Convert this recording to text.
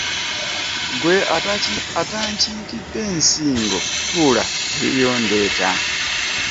Gwe atankikidde nsingo tuula ebibyo ndeeta ,